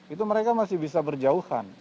itu mereka masih bisa berjauhan